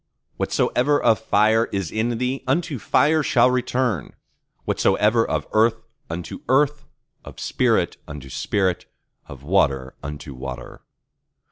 Whatsoever of fire is in thee, unto fire shall return; whatsoever of earth, unto earth; of spirit, unto spirit; of water, unto water.